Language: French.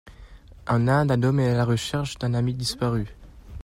En Inde, un homme est à la recherche d’un ami disparu.